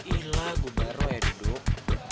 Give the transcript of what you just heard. ih lah gue baru ya duduk